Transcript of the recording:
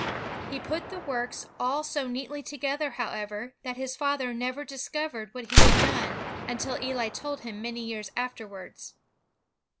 He put the works all so neatly together, however, that his father never dis covered ... what he had done, until Eli told tiim many years afterwards."